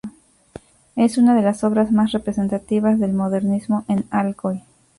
Es una de las obras más representativas del modernismo en Alcoy.